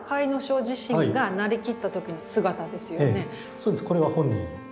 そうですこれは本人ですね。